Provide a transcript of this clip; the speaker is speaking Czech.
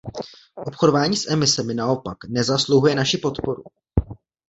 Obchodování s emisemi naopak nezasluhuje naši podporu.